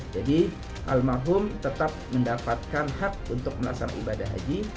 jadi al mahum tetap mendapatkan hak untuk melaksanakan ibadah haji